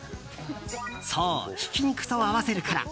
そう、ひき肉と合わせるから。